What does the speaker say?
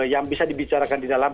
yang bisa dibicarakan di dalam